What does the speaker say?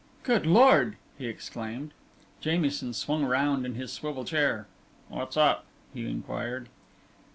"Good Lord!" he exclaimed. Jamieson swung round in his swivel chair. "What's up?" he inquired.